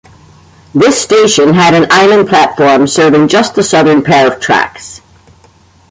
This station had an island platform serving just the southern pair of tracks.